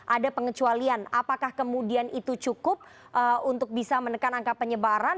ada pengecualian apakah kemudian itu cukup untuk bisa menekan angka penyebaran